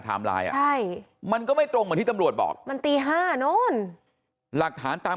ถามลายอ่ะมันก็ไม่ตรงว่าถึงตำรวจบอกมันตี๕๐๐นโน้นหลักฐานจาก